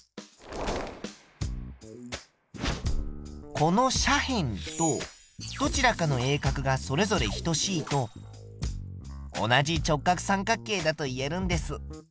この斜辺とどちらかの鋭角がそれぞれ等しいと同じ直角三角形だと言えるんです。